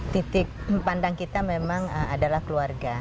titik pandang kita memang adalah keluarga